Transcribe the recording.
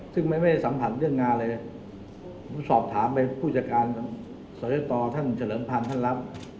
ซึ่งไม่ได้สัมผัสเรื่องงานเลยสอบถามไปผู้พิชาการศัลยศตรท่านเฉลิมพันธุ์ท่านรับ